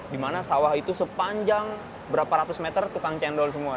dimana sawah itu sepanjang berapa ratus meter tukang cendol semua